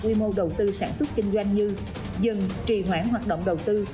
quy mô đầu tư sản xuất kinh doanh như dừng trì hoãn hoạt động đầu tư